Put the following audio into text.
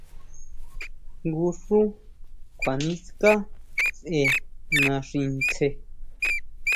Jngu xú kjua niská sʼe naxi ntsje.